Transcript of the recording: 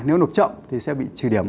nếu nộp chậm thì sẽ bị trừ điểm